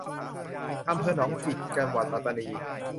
อำเภอหนองจิก จังหวัดปัตตานี